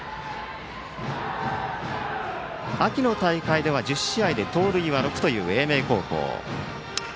秋の大会では１０試合で盗塁は６の英明高校。